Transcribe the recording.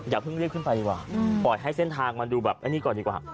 อย่าเพิ่งรีบขึ้นไปดีกว่าปล่อยให้เส้นทางมันดูแบบอันนี้ก่อนดีกว่า